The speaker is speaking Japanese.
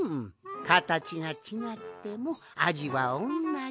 かたちがちがってもあじはおんなじ。